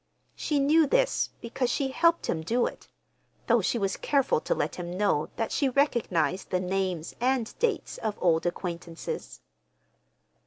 She knew this, because she helped him do it—though she was careful to let him know that she recognized the names and dates as old acquaintances.